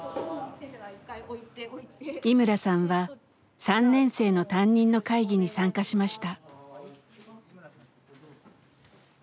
井村さんは３年生の担任の会議に参加しました。